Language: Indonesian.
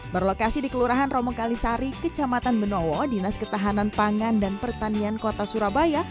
berlokasi di kelurahan romo kalisari kecamatan benowo dinas ketahanan pangan dan pertanian kota surabaya